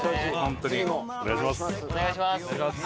お願いします。